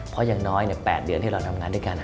เพราะอย่างน้อย๘เดือนที่เราทำงานด้วยกัน